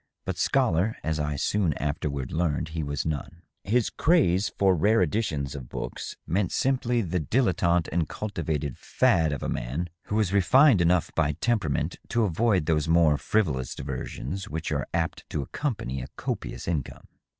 But scholar, as I soon afterward learned, he was none. His craze for rare editions of books meant simply the dilettante and cultivated " fad'' of a man who was refined enough by temperament to avoid those more frivolous diversions which are apt to accompany a copious income.